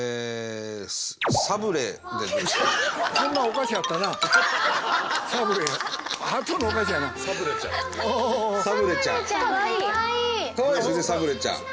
サブレちゃん。